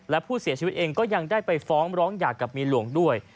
และผู้เสียชีวิตเองก็ยังได้ไปฟ้องร้องหย่ากับเมียหลวงด้วย